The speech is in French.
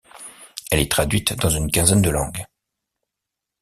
Elle est traduite dans une quinzaine de langues.